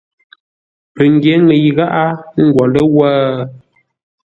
Pəngyě ŋəi gháʼá, ə́ ngwo ləwə̂?